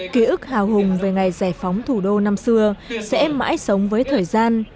ký ức hào hùng về ngày giải phóng thủ đô năm xưa sẽ mãi sống với thời gian